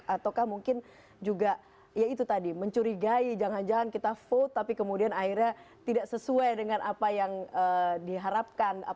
ataukah mungkin juga ya itu tadi mencurigai jangan jangan kita vote tapi kemudian akhirnya tidak sesuai dengan apa yang diharapkan